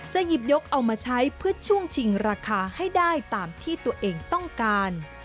หยิบยกเอามาใช้เพื่อช่วงชิงราคาให้ได้ตามที่ตัวเองต้องการ